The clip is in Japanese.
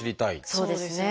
そうですね。